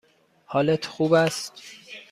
حالت خوب است؟